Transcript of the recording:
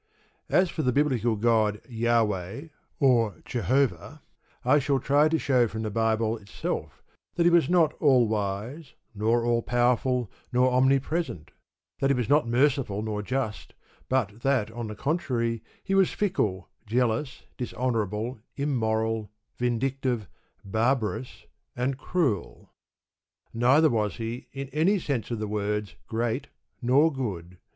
As for the biblical God, Jahweh, or Jehovah, I shall try to show from the Bible itself that He was not all wise, nor all powerful, nor omnipresent; that He was not merciful nor just; but that, on the contrary, He was fickle, jealous, dishonourable, immoral, vindictive, barbarous, and cruel. Neither was He, in any sense of the words, great nor good.